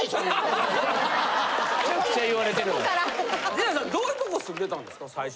陣内さんどういうとこ住んでたんですか最初。